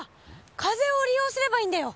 風を利用すればいいんだよ。